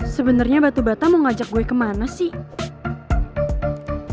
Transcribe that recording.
sebenarnya batu bata mau ngajak gue kemana sih